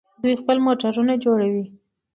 دوی خپل موټرونه جوړوي.